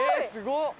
すごい！